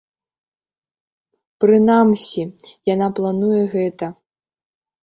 Прынамсі, яна плануе гэта.